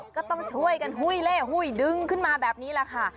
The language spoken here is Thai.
ก็ต้องช่วยกันหุ้ยเล่หุ้ยดึงขึ้นมาแบบนี้แหละค่ะ